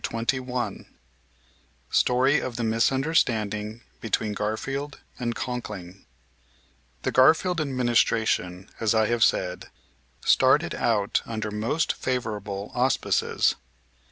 CHAPTER XXI STORY OF THE MISUNDERSTANDING BETWEEN GARFIELD AND CONKLING The Garfield Administration, as I have said, started out under most favorable auspices.